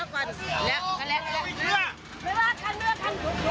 เสียชีวิตนะครับ